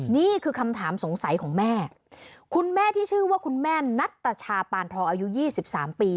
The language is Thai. นี่คือคำถามสงสัยของแม่คุณแม่ที่ชื่อว่าคุณแม่นัตตชาปานทองอายุ๒๓ปี